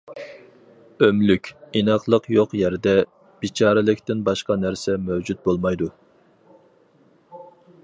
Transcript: ئۆملۈك، ئىناقلىق يوق يەردە، بىچارىلىكتىن باشقا نەرسە مەۋجۇت بولمايدۇ.